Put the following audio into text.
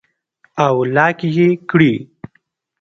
او لاک ئې کړي